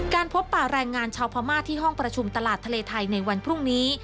พบป่าแรงงานชาวพม่าที่ห้องประชุมตลาดทะเลไทยในวันพรุ่งนี้